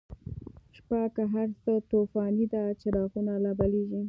شپه که هر څه توفانی ده، چراغونه لا بلیږی